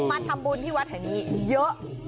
มาทำบุญในวัดทะนี้เยอะ